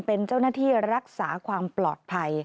เป็นเจ้าหน้าที่รักษาความปลอดภัย